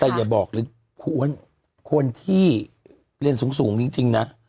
แต่อย่าบอกเลยคนที่เรียนสูงจริงนะ